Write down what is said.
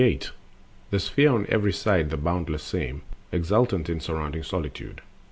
The Sphere on every side the boundless same, Exultant in surrounding solitude.